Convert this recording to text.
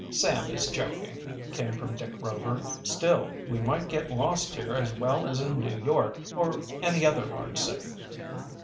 "Sam is joking," came from Dick Rover. "Still we might get lost here as well as in New York or any other large city."